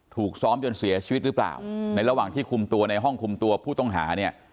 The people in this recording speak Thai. ถูกซ้อมจนเสียชีวิตหรือเปล่าในระหว่างที่คุมตัวในห้องคุมตัวผู้ต้องหาเนี่ย